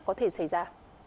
có thể xảy ra